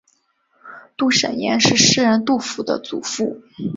杜审言是诗人杜甫的祖父。